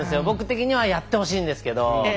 僕的にはやってほしいんですけど。